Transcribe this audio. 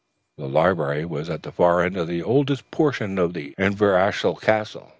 The library was at the far end of the oldest portion of Inverashiel Castle.